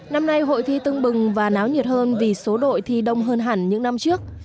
năm nay hội thi tưng bừng và náo nhiệt hơn vì số đội thi đông hơn hẳn những năm trước